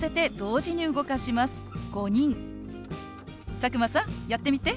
佐久間さんやってみて。